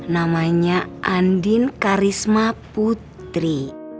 namanya andin karisma putri